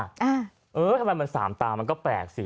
เออทำไมมันสามตามันก็แปลกสิ